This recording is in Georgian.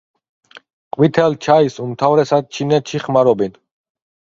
ყვითელ ჩაის უმთავრესად ჩინეთში ხმარობენ.